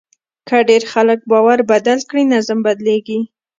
که ډېر خلک باور بدل کړي، نظم بدلېږي.